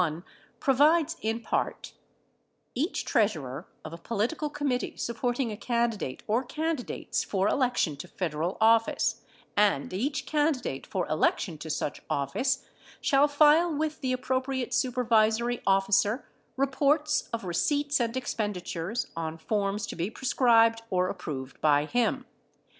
Section 304(a) of the Federal Election Campaign Act of 1971 provides in part : Each treasurer of a political committee supporting a candidate or candidates for election to Federal office, and each candidate for election to such office, shall file with the appropriate supervisory officer reports of receipts and expenditures on forms to be prescribed or approved bv him.